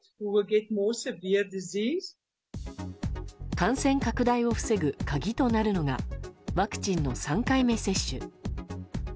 感染拡大を防ぐ鍵となるのがワクチンの３回目接種。